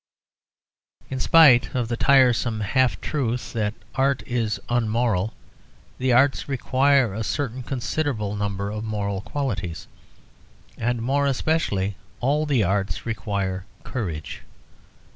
In spite of the tiresome half truth that art is unmoral, the arts require a certain considerable number of moral qualities, and more especially all the arts require courage.